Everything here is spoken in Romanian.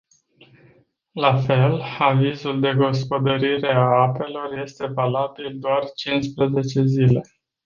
La fel, avizul de gospodărire a apelor este valabil doar cinsprezece zile.